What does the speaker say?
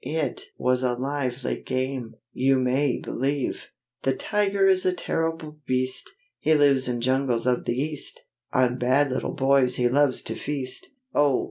It was a lively game, you may believe. The Tiger is a terrible beast! He lives in jungles of the East, On bad little boys he loves to feast: Oh!